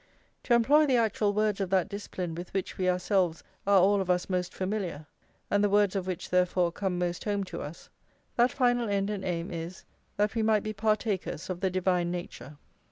To employ the actual words of that discipline with which we ourselves are all of us most familiar, and the words of which, therefore, come most home to us, that final end and aim is "that we might be partakers of the divine nature."